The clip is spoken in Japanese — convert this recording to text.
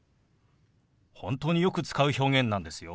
本当によく使う表現なんですよ。